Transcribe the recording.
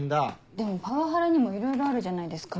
でもパワハラにもいろいろあるじゃないですか。